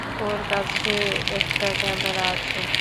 ওর কাছে একটা ক্যামেরা আছে।